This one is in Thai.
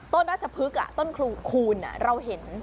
ต้นอาจจะพึกอ่ะต้นคูนอ่ะเราเห็น